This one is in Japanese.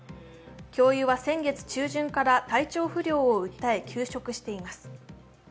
教諭は先月中旬から体調不良を訴え休職しています。